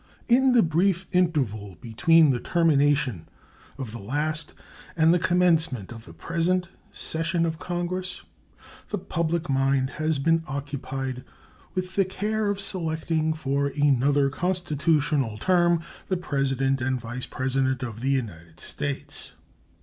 In the brief interval between the termination of the last and the commencement of the present session of Congress the public mind has been occupied with the care of selecting for another constitutional term the President and Vice President of the United States.